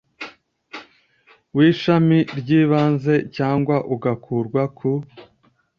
w Ishami ry Ibanze cyangwa igakurwa ku